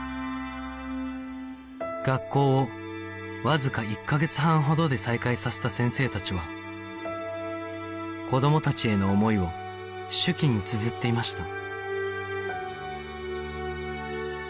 学校をわずか１カ月半ほどで再開させた先生たちは子どもたちへの思いを手記につづっていました